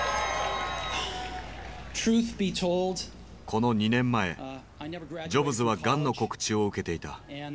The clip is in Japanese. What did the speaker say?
この２年前ジョブズはがんの告知を受けていた。